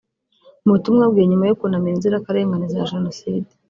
Mu butumwa bwe nyuma yo kunamira inzirakarengane za jenoside